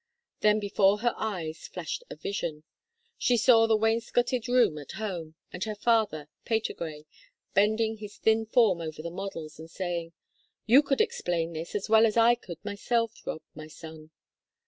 Then before her eyes flashed a vision. She saw the wainscoted room at home, and her father Patergrey bending his thin form over the models, and saying: "You could explain this as well as I could myself, Rob, my son."